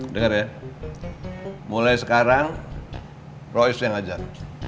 dengar ya mulai sekarang royz yang ajak